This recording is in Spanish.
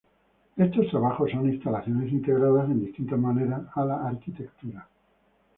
Estos trabajos son instalaciones integradas en distintas maneras a la arquitectura.